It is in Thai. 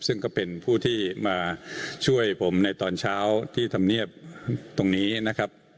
ซึ่งก็เป็นผู้ที่มาช่วยผมในตอนเช้าที่ธรรมเนียบตรงนี้นะครับ